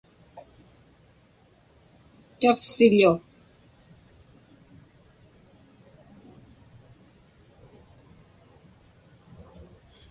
tavsiḷu